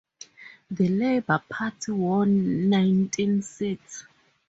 The Labour Party won nineteen seats.